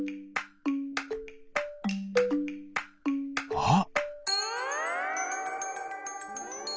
あっ！